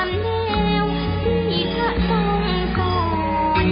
ทรงเป็นน้ำของเรา